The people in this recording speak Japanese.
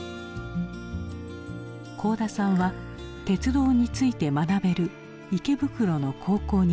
幸田さんは鉄道について学べる池袋の高校に決めていた。